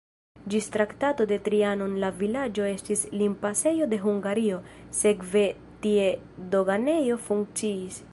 Ĝis Traktato de Trianon la vilaĝo estis limpasejo de Hungario, sekve tie doganejo funkciis.